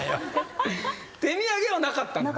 手土産はなかったのね？